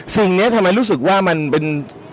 สิ่งนี้ทำไมรู้สึกว่ามันเป็น